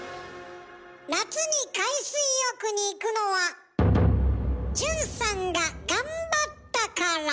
夏に海水浴に行くのはじゅんさんが頑張ったから！